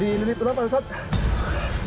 dililit ular pak ustadz